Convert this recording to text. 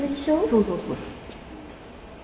そうそうそうそう。